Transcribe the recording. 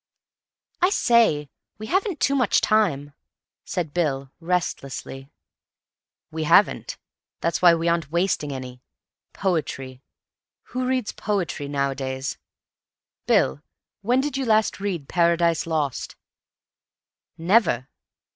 "I say, we haven't too much time," said Bill restlessly. "We haven't. That's why we aren't wasting any. Poetry. Who reads poetry nowadays? Bill, when did you last read 'Paradise Lost'?" "Never."